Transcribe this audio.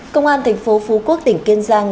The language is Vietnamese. công an thành phố phú quốc tỉnh kiên giang